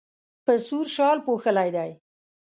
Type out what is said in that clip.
په سور شال پوښلی دی.